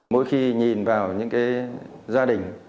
mỗi khi nhìn vào những gia đình